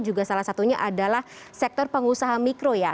juga salah satunya adalah sektor pengusaha mikro ya